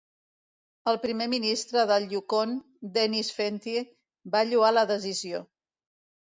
El primer ministre del Yukon, Dennis Fentie, va lloar la decisió.